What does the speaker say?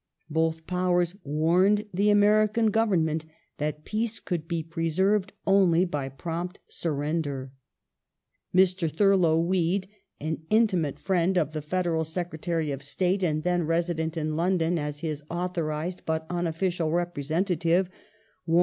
Both Powers warned the American Government that peace could be preserved only by prompt surrender, Mr. Thurlow Weed, an intimate friend of the Federal Secretary of State and then resident in London as his authorized but unofficial ^ The Prince's draft is reproduced in facsimile by Martin, Life, v.